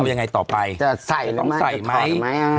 เอายังไงต่อไปจะใส่หรือไม่ต้องใส่ไหมอ่า